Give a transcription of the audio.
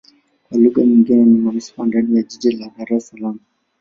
Kwa lugha nyingine ni manisipaa ndani ya jiji la Dar Es Salaam.